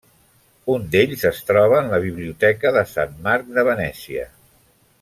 Un d'ells es troba en la biblioteca de Sant Marc de Venècia.